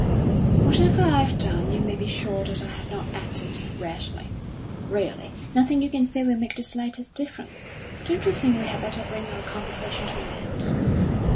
"Whatever I've done, you may be sure that I have not acted rashly. Really, nothing you can say will make the slightest difference. Don't you think we had better bring our conversation to an end?"